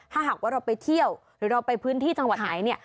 ถ้าหากว่าเราไปเที่ยวหรือเราไปพื้นที่จังหวัดไหนเนี่ย